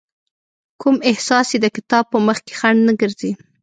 کوم احساس يې د کتاب په مخکې خنډ نه ګرځي.